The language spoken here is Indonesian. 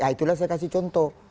itulah saya kasih contoh